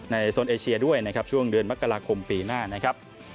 ในโซนเอเชียด้วยช่วงเดือนมกราคมปีหน้า